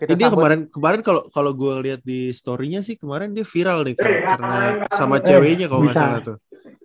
ini kemarin kalau gue lihat di story nya sih kemarin dia viral nih karena sama ceweknya kalau nggak salah tuh